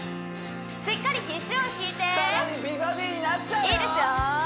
しっかり肘を引いていいですよ